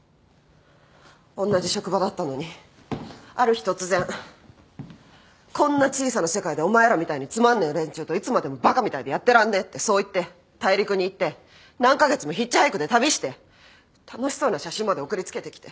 おんなじ職場だったのにある日突然「こんな小さな世界でお前らみたいにつまんねえ連中といつまでもバカみたいでやってらんねえ」ってそう言って大陸に行って何カ月もヒッチハイクで旅して楽しそうな写真まで送りつけてきて。